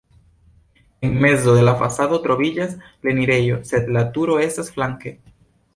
En mezo de la fasado troviĝas la enirejo, sed la turo estas flanke.